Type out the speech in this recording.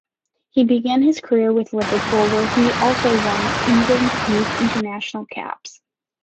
He began his career with Liverpool, where he also won England Youth international caps.